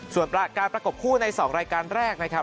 ส่วนประกอบคู่ในสองรายการแรกนะครับ